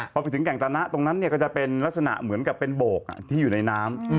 พอไปถึงแก่งตะนะตรงนั้นก็จะเป็นลักษณะเหมือนกับเป็นโบกที่อยู่ในน้ำ